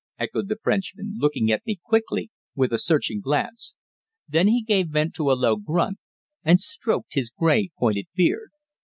echoed the Frenchman, looking at me quickly with a searching glance. Then he gave vent to a low grunt, and stroked his grey pointed beard.